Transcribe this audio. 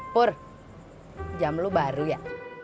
pur jam lo baru ya